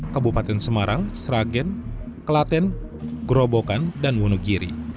kabupaten semarang sragen klaten gerobokan dan wonogiri